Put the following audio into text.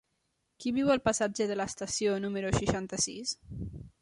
Qui viu al passatge de l'Estació número seixanta-sis?